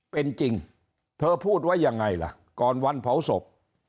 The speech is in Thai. เป็นจริงเธอพูดไว้ยังไงล่ะก่อนวันเผาศพ